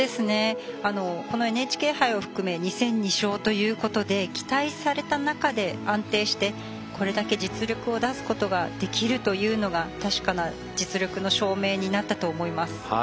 このＮＨＫ杯を含め２戦２勝ということで期待された中で安定してこれだけ実力を出すことができるというのが確かな実力の証明になったと思います。